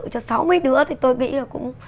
cho sáu mươi đứa thì tôi nghĩ là cũng